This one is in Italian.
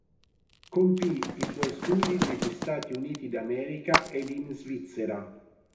Compì i suoi studi negli Stati Uniti d'America ed in Svizzera.